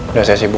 udah saya sibuk